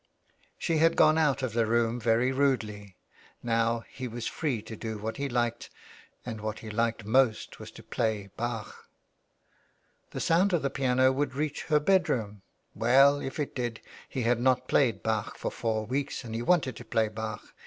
She had gone out of the room very rudely. Now he was free to do what he liked, and what he liked most was to play Bach. The sound of the piano would rjach her bedroom ! Well, if it did — he had not played Bach for four weeks and he wanted to play Bach.